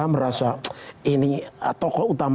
merasa ini tokoh utama